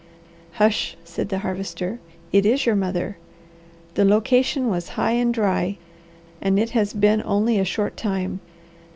"Sush!" said the Harvester. "It is your mother. The location was high and dry, and it has been only a short time.